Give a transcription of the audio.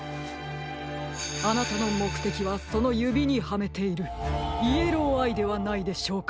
あなたのもくてきはそのゆびにはめているイエローアイではないでしょうか？